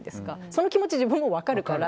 その気持ち、自分も分かるから。